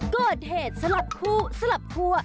เกิดเหตุสลับคู่สลับคั่ว